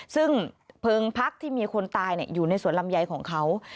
ซึ่งเพลิงพักที่มีคนตายอยู่ในสวนลำไยของเขา